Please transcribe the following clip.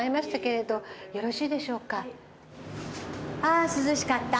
あ涼しかった。